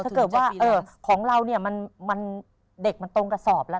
ถ้าเกิดว่าของเราเนี่ยมันเด็กมันตรงกระสอบแล้ว